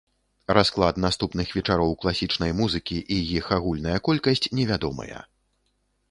Расклад наступных вечароў класічнай музыкі і іх агульная колькасць невядомыя.